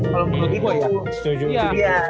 kalau menurut gue ya